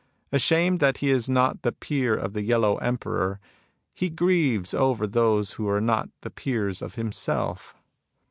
Ashamed that he is not the peer of the Yellow Emperor, he grieves over those who are not the peers of himself.